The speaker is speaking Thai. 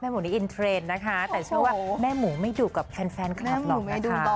หมูนี้อินเทรนด์นะคะแต่เชื่อว่าแม่หมูไม่ดุกับแฟนคลับหรอก